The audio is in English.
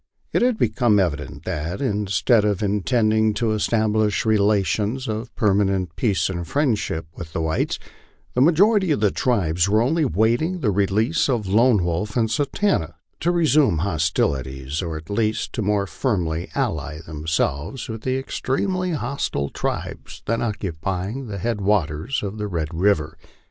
It had become evident that, instead of intending to establish relations of per manent peace and friendship with the whites, the majority of the tribe were only waiting the release of Lone Wolf and Satanta to resume hostilities, or at least to more firmly nlly themselves with the extremely hostile tribes then oc cupying the head waters of Red river.